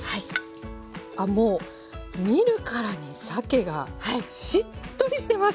あもう見るからにさけがしっとりしてます。